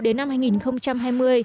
đến năm hai nghìn hai mươi